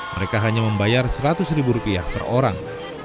mereka hanya membayar rp seratus per orang